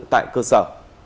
tại cơ sở